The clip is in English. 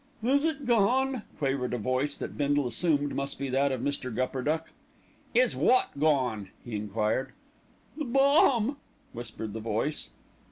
"Is it gone?" quavered a voice that Bindle assumed must be that of Mr. Gupperduck. "Is wot gone?" he enquired. "The bomb," whispered the voice.